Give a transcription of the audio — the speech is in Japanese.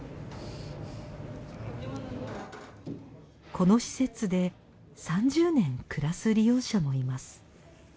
この施設で３０年暮らす利用者もいます。